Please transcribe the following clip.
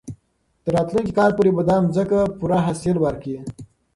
تر راتلونکي کال پورې به دا ځمکه پوره حاصل ورکړي.